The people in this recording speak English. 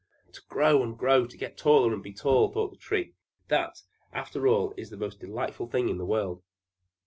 "To grow and grow, to get older and be tall," thought the Tree "that, after all, is the most delightful thing in the world!"